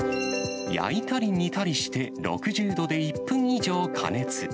焼いたり煮たりして、６０度で１分以上加熱。